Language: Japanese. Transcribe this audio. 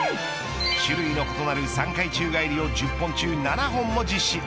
種類の異なる３回宙返りを１０本中７本も実施。